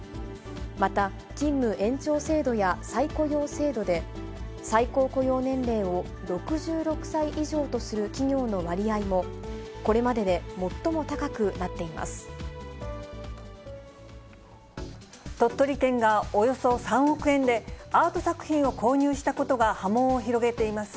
また勤務延長制度や再雇用制度で、最高雇用年齢を６６歳以上とする企業の割合も、これまでで最も高鳥取県がおよそ３億円で、アート作品を購入したことが波紋を広げています。